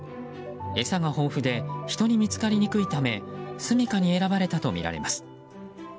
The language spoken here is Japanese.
餌が豊富で人に見つかりにくいためすみかに選ばれたとみられます。